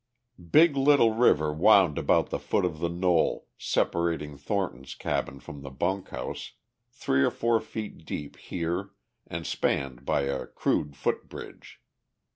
Big Little River wound about the foot of the knoll, separating Thornton's cabin from the bunk house, three or four feet deep here and spanned by a crude footbridge.